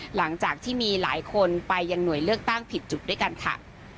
หลังจากที่มีหลายคนไปยังหน่วยเลือกตั้งผิดจุดด้วยกันค่ะ